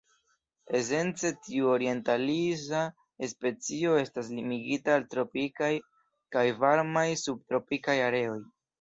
Esence tiu orientalisa specio estas limigita al tropikaj kaj varmaj subtropikaj areoj.